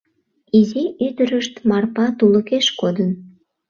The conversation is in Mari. Изи ӱдырышт, Марпа, тулыкеш кодын.